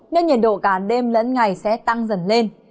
nên nhiệt độ cả đêm lẫn ngày sẽ tăng dần lên